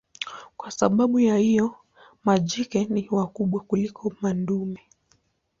Kwa sababu ya hiyo majike ni wakubwa kuliko madume.